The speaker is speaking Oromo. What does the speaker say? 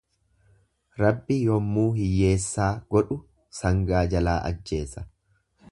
Rabbi yommuu hiyyeessaa godhu sangaa jalaa ajjeesa.